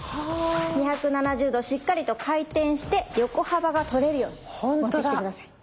２７０度しっかりと回転して横幅がとれるようにもってきて下さい。